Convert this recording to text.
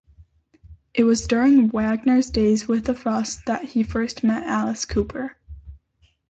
It was during Wagner's days with the Frost that he first met Alice Cooper.